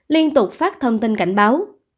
liên tục phát thông tin cảnh báo